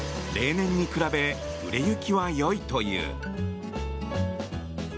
例年に比べ売れ行きはよいという。